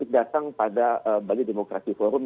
datang ke dalam bali democracy forum